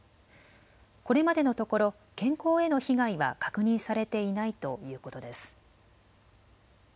これまでのところ健康への被害は確認されていないということです。